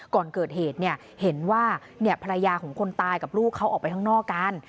ก่อนเกิดเหตุเห็นว่าภรรยาของคนตายกับลูกเขาออกไปข้างนอกกัน